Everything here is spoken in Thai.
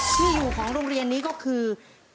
ที่อยู่ของโรงเรียนนี้ก็คือ